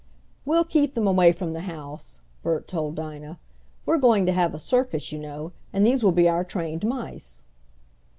"We'll keep them away from the house," Bert told Dinah. "We're going to have a circus, you know, and these will be our trained mice."